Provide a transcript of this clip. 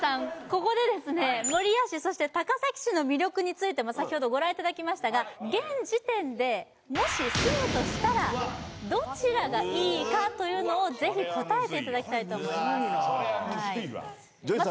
ここでですね守谷市そして高崎市の魅力についても先ほどご覧いただきましたが現時点でというのをぜひ答えていただきたいと思いますわあ